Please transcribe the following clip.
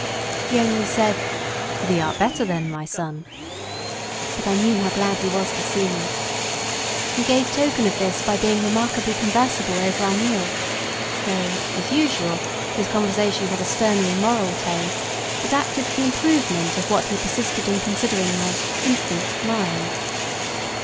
He only said, "Thee art better then, my son?" But I knew how glad he was to see me. He gave token of this by being remarkably conversible over our meal though, as usual, his conversation had a sternly moral tone, adapted to the improvement of what he persisted in considering my "infant" mind.